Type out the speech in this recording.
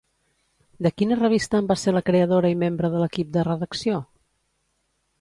De quina revista en va ser la creadora i membre de l'equip de redacció?